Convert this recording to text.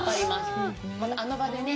あの場でね。